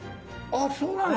あっそうなの？